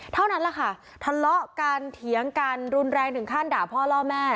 เท่านั้นแหละค่ะทะเลาะกันเถียงกันรุนแรงถึงขั้นด่าพ่อล่อแม่